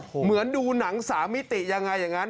เหมือนดูหนัง๓มิติยังไงอย่างนั้น